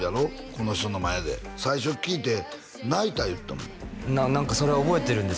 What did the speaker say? この人の前で最初聴いて泣いた言ってたもん何かそれは覚えてるんです